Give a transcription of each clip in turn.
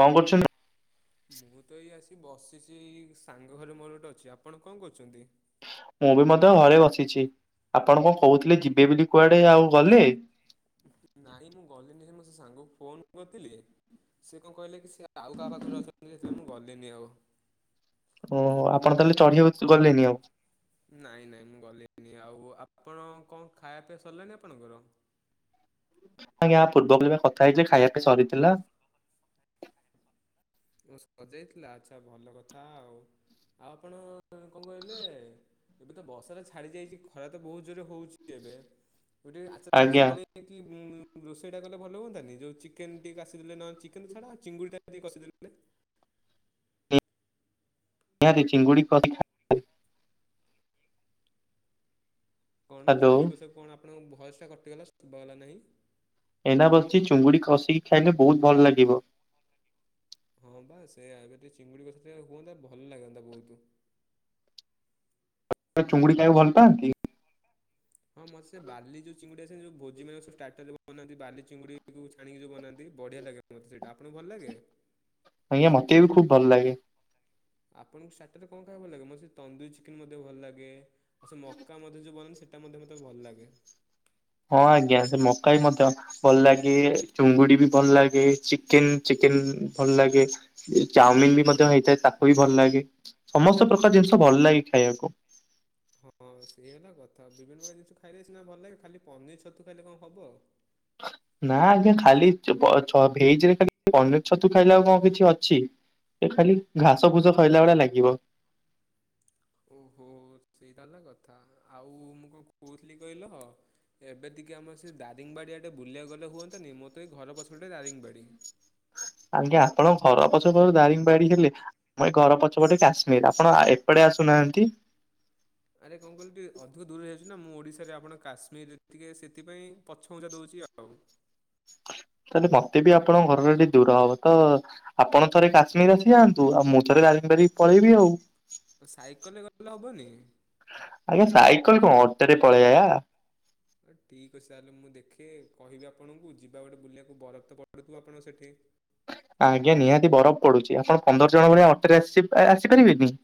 କଣ କରୁଛନ୍ତି? ମୁଁ ତ ଏଇ ଆସି ବସିଛି ସାଙ୍ଗ ଘରେ ମୋର ଗୋଟେ ଅଛି ଆପଣ କଣ କରୁଛନ୍ତି? ମୁଁ ବି ମଧ୍ୟ ଘରେ ବସିଛି ଆପଣ କଣ କହୁଥିଲେ ଯିବେ ବୋଲି କୁଆଡେ ଆଉ ଗଲେ? ନାଇଁ ମୁଁ ଗଲି ନାହିଁ ମୁଁ ସେ ସାଙ୍ଗକୁ ଫୋନ କରିଥିଲି ସେ କଣ କହିଲା କି ଆଉ କାହା ପାଖରେ ଅଛନ୍ତି ମୁଁ ଗଲିନି ଆଉ। ଓହୋ ଆପଣ ତାହେଲେ [unintelligible] ଗଲେନି ଆଉ। ନାଇଁ ନାଇଁ ମୁଁ ଗଲିିନି ଆଉ ଆପଣ କଣ ଖାଇବା ପିଇବା ସରିଲାଣିି ଆପଣଙ୍କର? ଆଜ୍ଞା ପୂର୍ବ ବୋଲି କଥା ହେଇଥିଲେ ଖାଇବାପା ସରିଥିଲା। ସଜେଇଥିଲା ଆଚଛା ଭଲ କଥା ଆଉ ଆପଣ କଣ କହିଲେ ଏବେ ତ ବର୍ଷଟା ଛାଡି ଯାଇଛି ଖରା ତ ବହୁତ ଜୋରେ ହଉଛି ଏବେ। ଆଜ୍ଞା [unintelligible] ରୋଷେଇ ଟା କଲେ ଭଲ ହୁଅନ୍ତାନି ଯୋଉ ଚିକେନ ଟିକେ କାସିଦଲେ ନ ଚିକେନ ଛାଡ ଚିଙ୍ଗୁଡି ଟା ଟ କସିଦେଲେ। [inaudible] ନିହାତି ଚିଙ୍ଗୁଡିକୁ କସା କଣ ହ୍ୟାଲୋ ଚିଙ୍ଗୁଡିକସାକୁ କଣ ଆପଣଙ୍କ ଭୟସ ଟା କଟିଗଲା ଶୁବା ଗଲା ନାହିଁ? ଏଇନା ବସିକି ଚୁଙ୍ଗୁଡି ଖଷିକି ଖାଇଲେ ବହୁତ ଭଲ ଲାଗିବ। ହଁ ପା ସେ ଏବେ ଟିକ ଚିଙ୍ଗୁଡ଼ି କଥା ଟ ହୁଅନ୍ତା ଭଲ ଲାଗନ୍ତା ବହୁତ। ଚୁଙ୍ଗୁଡି ଖାଇବା ଭଲଥାନ୍ତି। ହଁ ମତେ ବାଲି ଯୋଉ ଚିଙ୍ଗୁଡି ଆ ଯୋ ଭୋଜି ମାନ ବନ୍ତି ବାଲି ଚିଙ୍ଗୁଡି ଛାିଣିକି ଯଉ ବନାନ୍ତି ବଢିଆ ଲାଗେ ମତେ ସେଇଟା ଆପଣଙ୍କୁ ଭଲ ଲାଗେ? ଆଜ୍ଞା ମତେ ବି ଖୁବ ଭଲ ଲାଗେ। ଆପଣଙ୍କୁ ସାଥିରେ କଣ ଖାଇବାକୁ ଭଲ ଲାଗେ ମତେ ତନ୍ଦୁରୀ ଚିକେନ ମଧ୍ୟ ଭଲ ଲାଗେ ଆଉ ସେ ମକା ମଧ୍ୟ ଯୋଉ ବନାନ୍ତି ସେ ତା ମଧ୍ୟ ମତେ ଭଲ ଲାଗେ ହଁ ଆଜ୍ଞା ସେ ମକା ବି ମଧ୍ୟ ଭଲ ଲାଗେ ଚୁଙ୍ଗୁଡି ବି ଭଲ ଲାଗେ ଚିକେନ ଚିକେନ ଭଲ ଲାଗେ। ଚାଉମିନ ବି ମଧ୍ୟ ହେଇଥାଏ ତାକୁ ବି ଭଲ ଲାଗେ ସମସ୍ତ ପ୍ରକାର ଜିନିଷ ଭଲ ଲାଗେ ଖାଇବାକୁ। ହଁ ସେଇ ହେଲା କଥା ବିଭିନ୍ନ ପ୍ରକାର ଜିନିଷ ଖାଇଲେ ସିନା ଭଲ ଲାଗେ ଖାଲି ପନିର ଛତୁ ଖାଇଲେ କଣ ହବ। [inaudible] ନା ଆଜ୍ଞା ଖାଲି ଭେଜ ରେ ଖାଲି ପନିର ଛତୁ ଖାଇଲା କଣ କିଛି ଅଛି। ସେ ଖାଲି ଘାସ ଫୁସ ଖଇଲା ଭଳିଆ ଲାଗିବ। ଓହୋ ସେଇଟା ହେଲା କଥା ଆଉ ମୁଁ କଣ କହୁଥିଲି କହିଲ? ଏବେ ଟିକେ ଆମର ସେ ଦାରିଙ୍ଗବାଡ଼ିଆଡ଼େ ବୁଲିବାକୁ ଗଲେ ହୁଅନ୍ତାନି ମୋରତ ଏଇ ଘର ପଛପଟେ ଦାରିଙ୍ଗବାଡ଼ି। ଆଜ୍ଞା ଆପଣଙ୍କ ଘର ପଛପଟେ ଦାରିଙ୍ଗବାଡି ହେଲେ ମୋର ଏଇ ଘର ପଛପଟେ କାଶ୍ମୀର ଆପଣ ଏପଟେ ଆସୁନାହାନ୍ତି? ଆରେ କଣ କହିଲି ଟିକେ ଅଧିକ ଦୂରରେ ଯାଉଛି ନା ମୁଁ ଓଡ଼ିଶାରେ ଆପଣ କାଶ୍ମୀରରେ ଟିକି ସେଥିପାଇଁ ପଛ ଘଛା ଦେଉଛି ଆଉ। ତାହେଲେ ମତେ ବି ଆପଣଙ୍କ ଘରରେ ଟିକେ ଦୂର ହବ ତ ଆପଣ ଥରେ କାଶ୍ମୀର ଆସି ଯାଆନ୍ତୁ ଆଉ ମୁଁ ତ ଦାରିଂବାଡ଼ି ପଳେଇବି ଆଉ। ତ ସାଇକେଲରେ ଗଲେ ହବନି। ଆଜ୍ଞା ସାଇକେଲ କଣ ଅଟୋରେ ପଳେଇଆ। ହଁ ଠିକ୍ ଅଛି ତାହେଲେ ମୁଁ ଦେଖେ କହିବି ଆପଣଙ୍କୁ ଯିବା ଗୋଟେ ବୁଲିବାକୁ ବରଫ ତ ପଡ଼ୁଥୁବ ଆପଣଙ୍କ ସେଠି। ଆଜ୍ଞା ନିହାତି ବରଫ ପଡୁଚି ଆପଣ ପନ୍ଦର ଜଣ ଭଳିଆ ଅଟରେ ଆସିପା ଆସିପାରିବେ କି?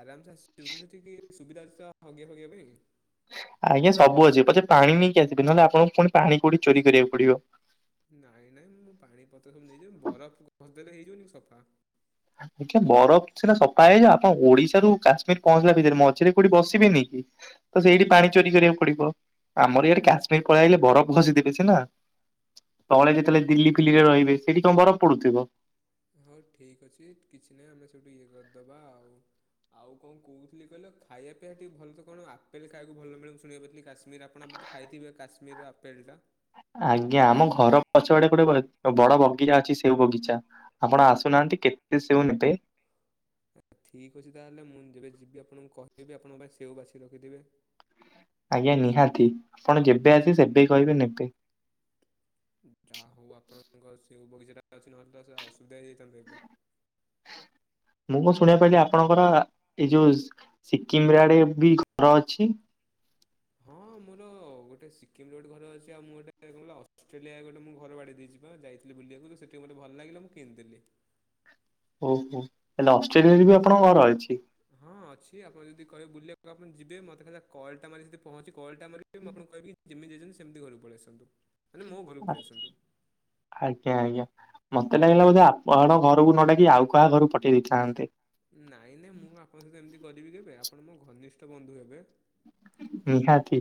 ଆରାମସେ ଆସିବୁ କିନ୍ତୁ ସେଠି ଟିକେ ସୁବିଧା ଅଛିତ ହଗିବା ଫଗିବା ପାଇଁ? ଆଜ୍ଞା ସବୁ ଅଛିି ପଛେ ପାଣି ନେଇକି ଆସିବି ନହନେ ଆପଣଙ୍କୁ ପୁଣି ପାଣି କୋଉଠି ଚୋରି କରିବାକୁ ପଡିବ। ନାଇଁ ନାଇଁ ମୁଁ ପାଣି ପତ୍ର ସବୁ ନେଇ ଯିବି ମୁଁ ବରଫ ଘଶିଦେଲେ ହେଇ ଯିବନି କି ସଫା। ଆଜ୍ଞା ବରଫ ସିନା ସଫା ହେଇଯାଏ ଆପଣ ଓଡିଶାରୁ କାଶ୍ମୀର ପହଞ୍ଚିଲା ଭିତରେ ମଝିରେ କୋଉଠି ବସିବେନି କି? ତ ସେଇଠି ପାଣି ଚୋରି କରିବାକୁ ପଡିବ ଆମର ଇଆଡ଼େ କାଶ୍ମୀର ପଳେଆଇଲେ ବରଫ ଘଷିଦେବେ ସିନା। ତଳେ ଯେତେଳେ ଦିଲ୍ଲୀ ଫିଲ୍ଲିରେ ରହିବେ ସେଇଠି କଣ ବରଫ ପଡୁଥିବ? ହୋଉ ଠିକ ଅଛି କିଛିନାଇଁ ଆମେ ସେଇଠୁ ଇଏ କରିଦବା ଆଉ। ଆଉ କଣ କୋହୁଥିଲି କହିଲ ଖାଇବା ପିଇବା ଟିକେ ଭଲ ସେ କଣ ଆପଲ ଖାଇବାକୁ ଭଲ ମିଳେ ବୋଲି ଶୁଣିବାକୁ ପାଇଥିଲି କାଶ୍ମୀରରେ ଆପଣ ଆମତ ଖାଇଥିବେ କାଶ୍ମୀରର ଆପେଲଟା। ଆଜ୍ଞା ଆମ ଘର ପଛ ପଟେ ଗୋଟେ ବଡ଼ ବଗିଚା ଅଛି ସେଓ ବଗିଚା। ଆପଣ ଆସୁନାହାନ୍ତି କେତେ ସେଓ ନେବେ। ଠିକ୍ ଅଛି ତାହେଲେ ମୁଁ ଯେବେ ଯିବି ଆପଣଙ୍କୁ କହିବି ଆପଣ ମୋ ପାଇଁ ସେଓ ବାଛି ରଖିଥିବେ। ଆଜ୍ଞା ନିହାତି ଆପଣ ଯେବେ ଆସିବେ ସେବେ କହିବେ ନେବେ। ଯାହୋଉ ଆପଣଙ୍କ ସେଓ ବଗିଚାଟା ଅଛି ନହେଲେ ତ ସେ ଅସୁବିଧା ହୋଇଯାଇଥାନ୍ତା ଏବେ। ମୁଁ କଣ ଶୁଣିବାକୁ ପାଇଲି ଆପଣଙ୍କର ଏଇ ଯୋଉ ସ୍ ସିକିମରେ ଆଡ଼େ ବି ଘର ଅଛି। ହଁ ମୋର ଗୋଟେ ସିକିମରେ ଗୋଟେ ଘର ଅଛି ଆଉ ମୁଁ ଗୋଟେ କଣ କହିଲ ଅଷ୍ଟେଲିଆ ଗୋଟେ ମୁଁ ଘର ବାଡେଇ ଦେଇଚି। ହଁ ଯାଇଥିଲି ବୁଲିବାକୁ ତ ସେଠି ମତେ ଭଲ ଲାଗିଲା ମୁଁ କିଣିଦେଲି। ଓହୋ ତାହେଲେ ଅଷ୍ଟ୍ରେଲିଆରେ ବି ଆପଣଙ୍କ ଘର ଅଛି? ହଁ ଅଛି ଆପଣ ଯଦି କହିବେ ବୁଲିବାକୁ ଆପଣ ଯିବେ ମତେ ଖାଲି ଯା କଲଟା ମାରି ଯଦି ପହଞ୍ଚି କଲଟା ମାରିବେ ମୁଁ ଆପନଙ୍କୁ କହିବି ଯେମିତି ଯାଇଚନ୍ତି ସେମତି ଘରକୁ ପକେଇ ଆସନ୍ତୁ ମାନେ ମୋ ଘରକୁ ପଲେଇ ଆସନ୍ତୁ। ଆଜ୍ଞା ଆଜ୍ଞା ମତେ ଲାଗିଲା ବୋଧେ ଆପଣ ଘରକୁ ନ ଡାକି ଆଉ କାହା ଘରକୁ ପଠେଇ ଦେଇଥାନ୍ତେ। ନାଇ ନାଇ ମୁଁ ଆପଣଙ୍କ ସହିତ ଏମିତି କରିବି କେବେ ଆପଣ ମୋ ଘନିଷ୍ଠ ବନ୍ଧୁ ହେବେ। ନିହାତି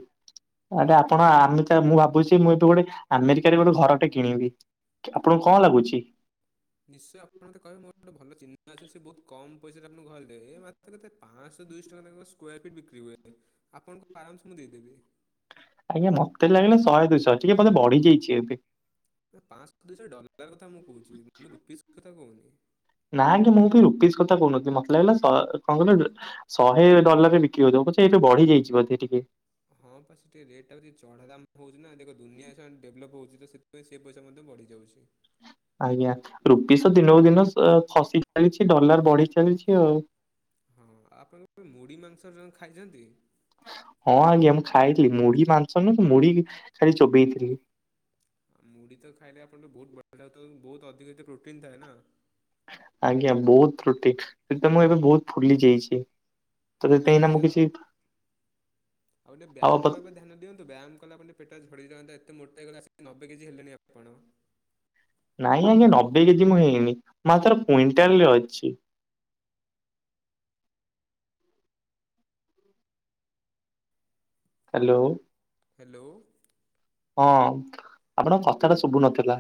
ଆରେ ଆପଣ ତାପରେ ଆମେ ତ ଆଛା ମୁଁ ଭାବୁଚି ମୁଁ ଏବେ ଗୋଟେ ଆମେରିକାରେ ଗୋଟେ ଘରଟେ କିଣିବି ବୋଲି ଆପଣଙ୍କୁ କଣ ଲାଗୁଚି? ନିଶ୍ଚୟ ଆପଣ ମତେ କହିବେ ମୋର ଗୋଟେ ଭଲ ଚିହ୍ନା ଅଛି ସେ ବୋହୁତ୍ କମ୍ ପଇସାରେ ଆପଣଙ୍କୁ ଘର ଦେବେ ଏ ମା କେତେ ପାଞ୍ଚଶହ ଦୁଇଶହ ଟଙ୍କା ନା କଣ ସ୍କୋୟାର ଫିଟ୍ ବିକ୍ରି ହୁଏ ଆପଣଙ୍କୁ ଆରାମ ସେ ମୁଁ ଦେଇଦେବି। ଆଜ୍ଞା ମତେ ଲାଗିଲା ଶହେ ଦୁଇଶହ ଟିକେ ବୋଧେ ବଢ଼ି ଯାଇଚି ଏବେ। ନା ପାଂଶ ଦୁଇଶ ଡଲାର କଥା ମୁଁ କୋହୁଚି ମୁଁ ରୁପିଜ କଥା କୋହୁନି। ନା ଆଜ୍ଞା ମୁଁ ବି ରୁପିସ୍ କଥା କହୁ ନଥିଲି ମତେ ଲାଗିଲା ସ କଣ କହିଲ ଶହେ ଡଲାରରେ ବିକ୍ରି ହୋଉଥୁବ ପଛେ ଏବେ ବଢିଯାଇଚି ବୋଧେ ଟିକେ। ହଁ ପଛେ ସେ ରେଟ୍ ଟା ଯଦି ଚଡା ଦାମ ହୋଉଚି ନା ଦେଖ ଦୁନିଆ ସେ ଡେଭଲପ ହୋଉଛି ତ ସେ ସେଇ ପଇସା ମଧ୍ୟ ବଢ଼ିଯାଉଛି। ଆଜ୍ଞା ରୁପିସ୍ ଦିନକୁ ଦିନ ଖସି ସ ଏ ଖସି ଚାଲିଛି ଡଲାର ବଢ଼ି ଚାଲିଚି ଆଉ। ହଁ ଆପଣ କେବେ ମୁଢ଼ି ମାଂସ ଖାଇଚନ୍ତି? ହଁ ଆଜ୍ଞା ମୁଁ ଖାଇଥିଲି ମୁଢି ମାଂସ ନୁହଁ ତ ମୁଢି ଖାଲି ଚୋବେଇ ଥିଲି। ମୁଢି ତ ଖାଇଲେ ଆପଣ ବୋହୁତ ଭଲ ଲାଗୁଥିବା ବୋହୁତ ଅଧିକ ସେଥିରେ ପ୍ରୋଟିନ ଥାଏ ନା। ଆଜ୍ଞା ବୋହୁତ ପ୍ରୋଟିନ କିନ୍ତୁ ଏବେ ମୁଁ ବୋହୁତ ଫୁଲିଯାଇଛି। ତ ସେଥିପାଇଁ ନା ସେୟା ଆଉ ଟିକେ ଏବେ ଆଉ ପ ବ୍ୟାୟାମକୁ ଏବେ ଧ୍ୟାନ ଦିଅନ୍ତି ବ୍ୟାୟାମ କଲା ଆପଣ ଟିକେ ପେଟ ଝଡ଼ି ଯାଆନ୍ତା ଏତେ ମୋଟା ହେଇଗଲେ ଆସିକି ନବେ କେ ଜି ହେଲେଣି ଆପଣ। ନାଇଁ ଆଜ୍ଞା ନବେ କେଜି ମୁଁ ହେଇନି ମାତ୍ର କ୍ୱିଣ୍ଟାଲରେ ଅଛି। ହାଲୋ। ହେଲୋ। ହଁ ଆପଣଙ୍କ କତା ଟା ଶୁଭୁ ନ ଥିଲା।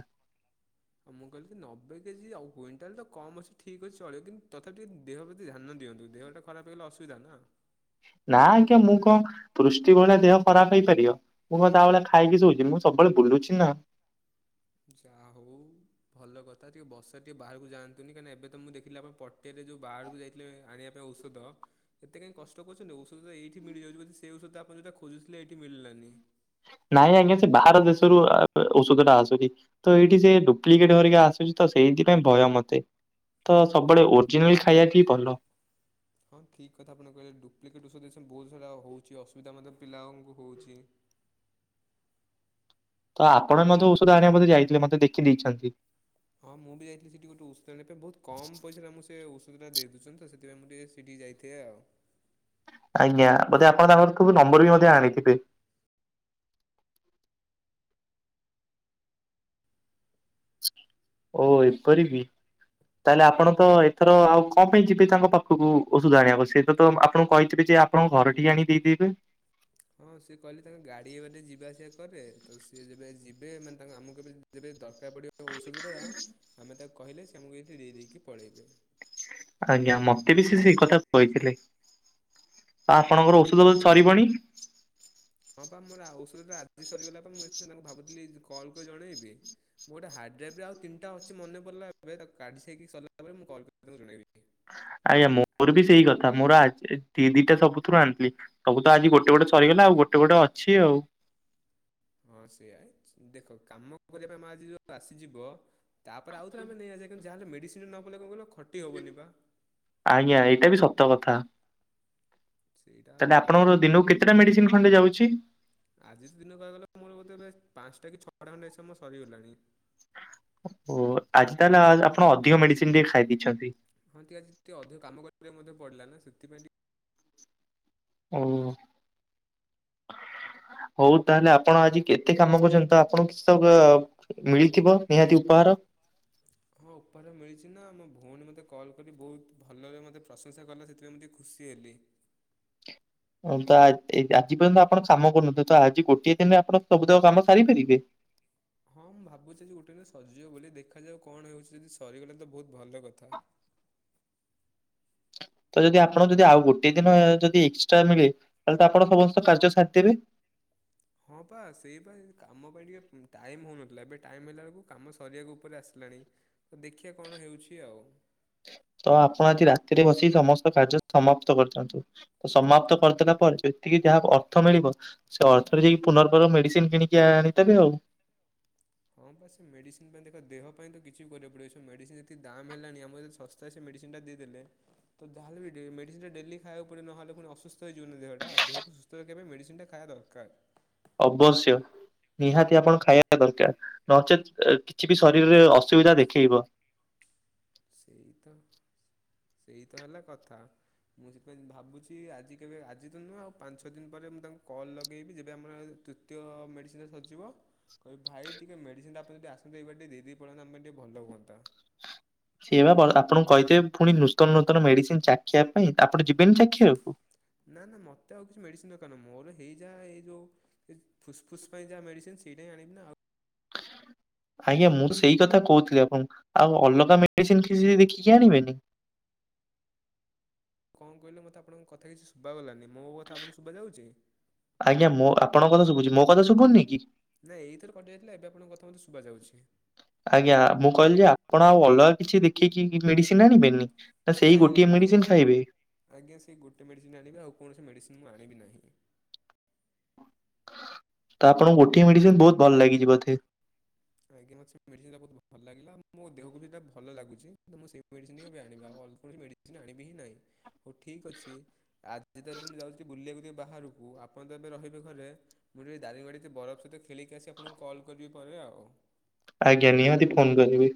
ମୁଁ କଇଲି କି ନବେ କେଜି ଆଉ କ୍ୱିଣ୍ଟାଲ ତ କମ୍ ଅଛି ଠିକ୍ ଅଛି ଚଳିବ କିନ୍ତୁ ତଥାପି ଟିକେ ଦେହ ପ୍ରତି ଧ୍ୟାନ ଦିଅନ୍ତୁ ଦେହ ଟା ଖରାପେ ହେଇ ଗଲେ ଅସୁବିଧା ନା। ନା ଆଜ୍ଞା ମୁଁ କଁ ପୃଷ୍ଟି ଭଳିଆ ଦେହ ଖରାପ୍ ହେଇ ପାରିବ। ମୁଁ କଁ ତା ଭଳିଆ ଖାଇକି ଶୋଉଛି ମୁଁ ସବୁବେଳେ ବୁଲୁଛି ନା। ଯାହୋଉ। ଭଲ କଥା ଟିକେ ବର୍ଷାରେ ଟିକେ ବାହାରୁକୁ ଯାଆନ୍ତୁନି, କାହିଁକି ନା ଏବେ ତ ମୁଁ ଦେଖିଲି ଆପଣ ପଟିଆ ରେ ଯୋଉ ବାହାରୁକୁ ଯାଇ କ୍ଳେ ଆଣିବା ପାଇଁ ଔଷଦ ଏତେ କାଇଁ କଷ୍ଟ କରୁଛନ୍ତି ଔଷଦ ତ ଏଇଠି ମିଳି ଯାଉଛି ବୋଧେ ସେ ଔଷଦ ଟା ଆପଣ ଯୋଉଟା ଖୋଜୁଥିଲେ ଏଇଠି ମିଳିଲାନି। ନାଇଁ ଆଜ୍ଞା ସେ ବାହାର ଦେଶରୁ ଆ -ଉ -ଔଷଦ ଟା ଆସୁଛି। ତ ଏଇଠି ସେ ଡୁପ୍ଲିକେଟ୍ ଘରିକା ଆସୁଛି ତ ସେଇଥିପାଇଁ ଭୟ ମତେ। ତ ହଁ ସବୁବେଳେ ଓର୍ଜିନାଲ୍ ଖାଇବାଠି ଭଲ। ହଁ ଠିକ୍ କଥା ଆପଣ କହିଲେ ଡୁପ୍ଲିକେଟ୍ ଔଷଧ ରିଆକ୍ସନ ବୋହୁତ୍ ସାରା ହୋଉଛି ଅସୁବିଧା ମଧ୍ୟ ପିଲାମାନଙ୍କୁ ହୋଉଛି। ତ ଆପଣ ମଧ୍ୟ ଔଷଧ ଆଣିବାକୁ ବୋଧେ ଯାଇଥିଲେ ମତେ ଦେଖି ଦେଇଛନ୍ତି। ହଁ ମୁଁ ବି ଯାଇଥିଲି ସେଠି ଗୋଟେ ଔଷଦ ଆଣିବା ପାଇଁ, ବୋହୁତ୍ କମ୍ ପଇସାରେ ଆମକୁ ସେ ଔଷଧଟା ଦେଇଦୋଉଛନ୍ତି ତ, ସେଥିପାଇଁ ମୁଁ ଟିକେ ସେଠିକି ଯାଇଥିବେ ଆଉ। ଆଜ୍ଞା ବୋଧେ ଆପଣ ତାଙ୍କଠୁ ନମ୍ବର୍ ବି ମଧ୍ୟ ଆଣିଥିବେ। ଓ ଏପରି କି ତାହେଲେ ଆପଣ ତ ଏ ଏଥର ଆଉ କଁ ପାଇଁ ଯିବେ ତାଙ୍କ ପାଖୁକୁ ଔଷଧ ଆଣିବାକୁ, ସେ ତ ତ ଆପଣୁଙ୍କୁ କହିଥିବେ ଯେ ଆପଣଙ୍କ ଘରେ ଟିକେ ଆଣି ଦେଇଦେବେ। ହଁ ସିଏ କଇଲେ ତାଙ୍କ ଗାଡ଼ି ଏ ବାଟେ ଯିବା ଆସିବା କରେ, ତ ସିଏ ଯେବେ ଯିବେ ମାନେ ତାଙ୍କ ଆମୁକୁ ଏବେ ଯେବେ ଦର୍ ତା ପଡ଼ିବ ତାଙ୍କ ଔଷଦ ଟା ଆମେ ତାକୁ କହିଲେ ସେ ଆମୁକୁ ଏଇଥି ଦେଇ ଦେଇକି ପଳେଇବେ। ଆଜ୍ଞା ମତେ ବି ସେ ସେଇ କଥା କହିଥିଲେ, ଆ ଆପଣଙ୍କର ଔଷଦ ବୋଧେ ସରିବଣି? ହଁ ପା ମୋର ଆଉ ଔଷଦ ଆଜି ସରିଗଲା ପା, ମୁଁ ଏତେ ତାଙ୍କୁ ଭାବୁଥିଲି ଜେ କଲ୍ କରି ଜଣେଇବି। ମୁଁ ଗୋଟେ ହାର୍ଡ଼ ଦେବି ଆଉ ତିନ୍ଟା ଅଛି ମନେ ପରିଲା ଏବେ ତାକୁ ଗାଡସେଇକି ସରିଲା ପରେ ମୁଁ କଲ୍ କରି ତାଙ୍କୁ ଜଣେଇବି। ଆଜ୍ଞା ମୋର ବି ସେଇ କଥା ମୋର ଆଚ୍ ଏ ଦି ଦିଟା ସବୁଥିରୁ ଆଣିଥିଲି। ସବୁ ତ ଆଜି ଗୋଟେ ଗୋଟେ ସରିଗଲା, ଆଉ ଗୋଟେ ଗୋଟେ ଅଛି ଆଉ। ହଁ ସେୟା ଏଚ୍ ଦେଖ କାମ କରିବା ପାଇଁ ମା ଆଜି ଯୋଉ ଆସିଯିବ ତା ପରେ ଆଉଥରେ ଆମେ ନେଇ ଆସିଆ କିନ୍ତୁ ଯାହା ହେଲେ ମେଡ଼ିସିନ୍ ନ ପଇଲେ କଁ କଇଲ ଖଟି ହବନି ପା। ଆଜ୍ଞା ଏଇଟା ବି ସତ କଥା। ସେଇଟା ହେଲା ତାହେଲେ କଥା। ଆପଣଙ୍କର ଦିନୁକୁ କେତେଟା ମେଡ଼ିସିନ୍ ଖଣ୍ଡେ ଯାଉଛି? ଆଜି ତ ଦିନ କହିଆକୁ ଗଲେ ମୋର ବୋଧେ ବେସ୍ ପାସ୍ଟା କି ଛଅଟା ଖଣ୍ଡେ ଏସ୍ ଏମ୍ ମୋର ସରିଗଲାଣି। ଓ ଆଜି ତାହେଲେ ଆଜ୍ ଆପଣ ଅଧିକ ମେଡ଼ିସିନ୍ ଟିକେ ଖାଇ ଦେଇଛନ୍ତି। ହଁ ଟିକେ ଆଜି ଟିକେ ଅଧିକ କାମ କରିବାକୁ ମଧ୍ୟ ପଡ଼ିଲା ନା ସେଥିପାଇଁ ଟି ଓଉ ଓ [inaudible] ହୋଉ ତାହେଲେ ଆପଣ ଆଜି କେତେ କାମ କରିଛନ୍ତି ତ ଆପଣ କିସକୁ ଆଉ। ମିଳିଥିବ ନିହାତି ଉପହାର। ହଁ ଉପରେ ମିଳିଛି ନା ମୋ ଭୋଉଣୀ ମତେ କଲ୍ କରିକି ବୋହୁତ୍ ଭଲରେ ମତେ ପ୍ରଶଂସା କଲା ସେଥିପାଇଁ ମୁଁ ଟିକେ ଖୁସି ଏଲି। ହଁ ତ ଆ ତେଇ ଆଜି ପର୍ଯ୍ୟନ୍ତ ଆପଣ କାମ କରୁନଥିଲେ ତ ଆଜି ଗୋଟିଏ ଦିନରେ ଆପଣ ସବୁ କାମ ସାରିପାରିବେ? ହଁ ମୁଁ ଭାବୁଛି ଆଜି ଗୋଟେ ଦିନରେ ସରିଯିବ ବୋଲି ଦେଖାଯାଉ କଣ ହେଉଛି ଯେଦି ସରିଗଲେ ତ ଭୋଉତ୍ ଭଲ କଥା। ତ ଯଦି ଆପଣଙ୍କୁ ଯଦି ଆଉ ଗୋଟିଏ ଦିନ ଯଦି ଏକ୍ସଟ୍ରା ମିଳେ ତାଆ ତ ଆପଣ ସମସ୍ତ କାର୍ଯ୍ୟ ସାରିଥିବେ? ହଁ ବା ସେଇ ବା କାମ ପାଇଁ ଟିକେ ଟାଇମ୍ ହେଉନଥିଲା ଏବେ ଟାଇମ୍ ହେଲା ବେଳକୁ କାମ ସରିବା କୁ ଉପରେ ଆସିଲାଣି। ତ ଦେଖିବା କଣ ହେଉଛି ଆଉ। ତ ଆପଣ ଆଜି ରାତିରେ ବସିକି ସମସ୍ତ କାର୍ଯ୍ୟ ସମାପ୍ତ କରୁଛନ୍ତି? ତ ସମାପ୍ତ କରିଦେଲା ପରେ ଯେତିକି ଯାହା ଅର୍ଥ ମିଳିବ ସେ ଅର୍ଥରେ ଯାଇକି ପୁନର୍ବାର ମେଡ଼ିସିନ୍ କିଣିକି ଆଣିଦେବେ ଆଉ। ହଁ ବା ସେ ମେଡ଼ିସିନ୍ ପାଇଁ ଦେଖ ଦେହ ପାଇଁ ତ କିଛି ବି କରିବାକୁ ପଡ଼ିବ ମେଡ଼ିସିନ୍ ଯଦି ଦାମ୍ ହେଲାଣି ଆମ ଯେ ସେ ସେ ମେଡ଼ିସିନ୍ ଟା ଦେଇ ଦେଲେ ତ ଯାହାହଲେ ବି ମେଡ଼ିସିନ୍ ଟା ଡେଲି ଖାଇବାକୁ ପଡ଼ିବ ନହଲେ ପୁଣି ଅସୁସ୍ଥ ଅସୁସ୍ଥ ହେଇ ଯିବନି ଦେହଟା ଦେହକୁ ସୁସ୍ଥ ରହିବା ପାଇଁ ମେଡ଼ିସିନ୍ ଟା ଖାଇବା ଦରକାର। ଅବଶ୍ୟ। ନିହାତି ଆପଣ ଖାଇବା ଦରକାର ନଚେତ୍ କିଛି ବି ଶରୀରରେ ଅସୁବିଧା ଦେଖେଇବ। ସେଇ ତ ସେଇ ତ ହେଲା କଥା। ମୁଁ ସେଥିପାଇଁ ଭାବୁଛି ଆଜି କେବେ ଆଜି ତ ନୁହେଁ ଆଉ ପାଞ୍ଚ ଦିନ ପରେ ମୁଁ ତାଙ୍କୁ କଲ୍ ଲଗେଇବି ଯେବେ ଆମର ଦ୍ୱିତୀୟ ଦ୍ୱିତୀୟ ମେଡ଼ିସିନ୍ ଟା ସରିଯିବ। କହିବି ଭାଇ ଟିକେ ମେଡ଼ିସିନ୍ ଆପଣ ଯଦି ଆସନ୍ତେ ଏଇ ବାଟେ ମେଡ଼ିସିନଟା ଦେଇ ଦେଇ ପଲାନ୍ତେ ଆମ ପାଇଁ ଟିକେ ଭଲ ହୁଅନ୍ତା। ସେଇ ବା ଆପଣଙ୍କୁ କହିଥିବେ ପୁଣି ନୂତନ ନୂତନ ମେଡ଼ିସିନ୍ ଚାଖିବା ପାଇଁ ଆପଣ ଯିବେନି ଚାଖିବାକୁ? ନାଁ ନାଁ ମତେ ଆଉ କିଛି ମେଡ଼ିସିନ୍ ଦରକାର ନୁହଁ ମୋର ହେଇ ଯା ଏଇ ଯୋଉ ସେ ଫୁସ୍ ଫୁସ୍ ପାଇଁ ଯାହା ମେଡିସିନ୍ ସେଇଟା ହିଁ ଆଣିବି ନା ଆଉ ଆଜ୍ଞା ମୁଁ ସେଇ କଥା କହୁଥିଲି ଆପଣଙ୍କୁ ଆଉ ଅଲଗା ମେଡିସିନ କିଛି ଦେଖିକି ଆଣିବେନି? କଣ କହିଲେ ମତେ ଆପଣ କଥା କିଛି ଶୁଭା ଗଲାନି ମୋ କଥା ଆପଣଙ୍କୁ ଶୁଭା ଯାଉଛି? ଆଜ୍ଞା ମୋ ଆପଣଙ୍କ କଥା ଶୁଭୁଛି ମୋ କଥା ଶୁଭୁନି କି? ନାଇଁ ଏଇଥର କଟି ଯାଇଥିଲା ଏବେ ଆପଣଙ୍କ କଥା ମତେ ଶୁଭା ଯାଉଛି। ଆଜ୍ଞା ମୁଁ କହିଲି ଯେ ଆପଣ ଆଉ ଅଲଗା କିଛି ଦେଖିକି ମେଡ଼ିସିନ୍ ଆଣିବେନି? ନା ସେଇ ନାଇଁ ନାଇଁ ଗୋଟିଏ ମୋର ମେଡ଼ିସିନ୍ ଖାଇବେ? ଆଜ୍ଞା ସେଇ ଗୋଟେ ମେଡ଼ିସିନ୍ ଆଣିବି ଆଉ କୌଣସି ମେଡ଼ିସିନ୍ ମୁଁ ଆଣିବି ନାହିଁ। ତ ଆପଣଙ୍କୁ ଗୋଟିଏ ମେଡ଼ିସିନ୍ ବହୁତ ଭଲ ଲାଗିଛିି ବୋଧେ? ଆଜ୍ଞା ମତେ ସେ ମେଡ଼ିସିନ୍ ଟା ବହୁତ ଭଲ ଲାଗିଲା ମୋ ଦେହ କୁ ବି ସେଟା ଭଲ ଲାଗୁଛି ତ ମୁଁ ସେଇ ମେଡ଼ିସିନ୍ ହିଁ ଏବେ ଆଣିବି ଆଉ ଅଲଗା କୈଣସି ମେଡ଼ିସିନ୍ ଆଣିବି ହିଁ ନାହିଁ। ହଉ ଠିକ୍ ଅଛି ଆଜି ତ ଏବେ ମୁଁ ଯାଉଛି ବୁଲିବାକୁ ବାହାରକୁ ଆ ଆପଣ ତ ଏବେ ରହିବେ ଘରେ ମୁଁ ଟିକେ ଦାରିଙ୍ଗବାଡ଼ିିକ ବରଫ ସହିତ ଖେଳିକି ଆସି ଆପଣଙ୍କୁ କଲ୍ କରିବି ପରେ ଆଉ। ଆଜ୍ଞା ନିହାତି ଫୋନ୍ କରିବେ।